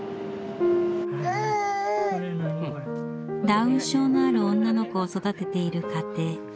ダウン症のある女の子を育てている家庭。